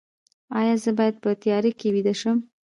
ایا زه باید په تیاره کې ویده شم؟